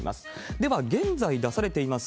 では、現在出されています